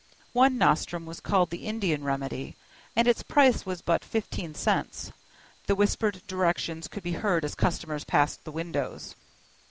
One nostrum was called the Indian remedy, and its price was but fifteen cents; the whispered directions could be heard as customers passed the windows.